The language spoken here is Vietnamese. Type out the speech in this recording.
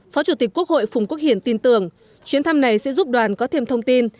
phó chủ tịch quốc hội phùng quốc hiển tin tưởng chuyến thăm này sẽ giúp đoàn có thêm thông tin